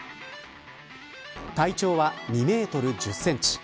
体長は２メートル１０センチ。